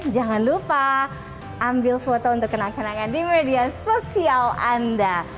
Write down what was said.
jangan lupa ambil foto untuk kenangan kenangan di media sosial anda